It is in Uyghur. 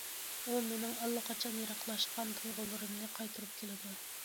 ئۇ مېنىڭ ئاللىقاچان يىراقلاشقان تۇيغۇلىرىمنى قايتۇرۇپ كېلىدۇ.